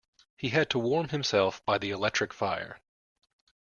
He had to warm himself by the electric fire